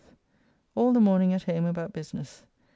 All the morning at home about business.